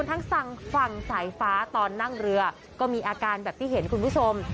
ทั้งฝั่งสายฟ้าตอนนั่งเรือก็มีอาการแบบที่เห็นคุณผู้ชม